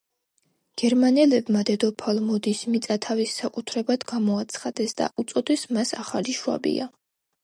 გერმანელებმა დედოფალ მოდის მიწა თავის საკუთრებად გამოაცხადეს და უწოდეს მას ახალი შვაბია.